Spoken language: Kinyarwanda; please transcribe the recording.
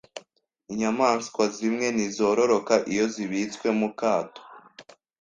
Inyamaswa zimwe ntizororoka iyo zibitswe mu kato.